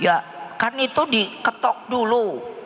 ya kan itu diketok dulu